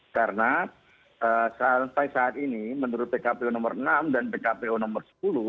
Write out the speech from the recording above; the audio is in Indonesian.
karena sampai saat ini menurut pkpo nomor enam dan pkpo nomor sepuluh